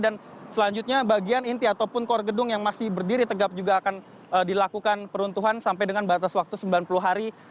dan selanjutnya bagian inti ataupun kor gedung yang masih berdiri tegap juga akan dilakukan peruntuhan sampai dengan batas waktu sembilan puluh hari